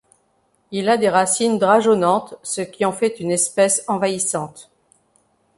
Il a des racines drageonnantes ce qui en fait une espèce envahissante.